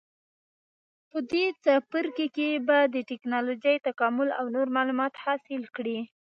په دې څپرکي کې به د ټېکنالوجۍ تکامل او نور معلومات حاصل کړئ.